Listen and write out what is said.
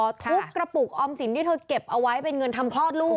ทุบกระปุกออมสินที่เธอเก็บเอาไว้เป็นเงินทำคลอดลูก